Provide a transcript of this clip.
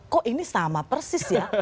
kok ini sama persis ya